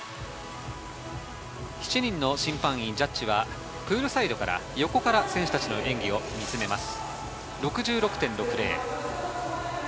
７人の審判員はプールサイドから横から選手たちの演技を見つめます。